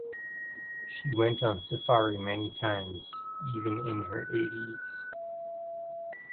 She went on safari many times, even in her eighties.